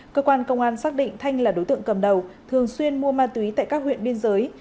cơ quan công an xác định thanh là đối tượng cầm đầu thường xuyên mua ma túy tại các huyện biên giới